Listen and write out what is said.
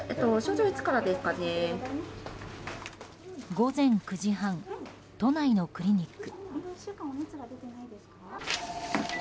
午前９時半都内のクリニック。